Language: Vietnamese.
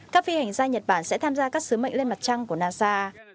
các phi hành gia nhật bản sẽ tham gia các sứ mệnh lên mặt trăng của nasa